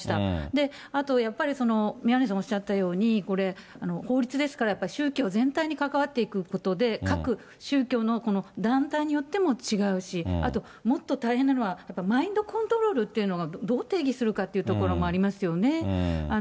で、あとやっぱり、宮根さんおっしゃったように、これ、法律ですから宗教全体に関わっていくことで、各宗教の団体によっても違うし、あともっと大変なのは、やっぱりマインドコントロールっていうのがどう定義するかっていうところもありますよね。